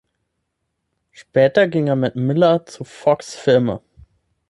Später ging er mit Miller zu Fox Filme.